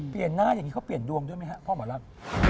เปลี่ยนหน้าอย่างนี้เขาเปลี่ยนรวมด้วยมั้ยคะพาหมารัก